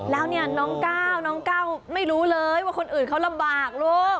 แล้วนี่น้องก้าวไม่รู้เลยว่าคนอื่นเขาลำบากลูก